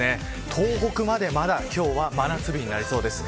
東北まで今日はまだ真夏日になりそうです。